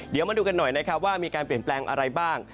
เดี๋ยวมาดูกันหน่อยนะครับว่ามีการเปลี่ยนแปลงอะไรบ้าง